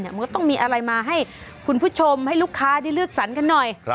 มันก็ต้องมีอะไรมาให้คุณผู้ชมให้ลูกค้าได้เลือกสรรกันหน่อย